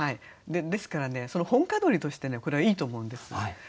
ですからねその本歌取りとしてこれはいいと思うんです。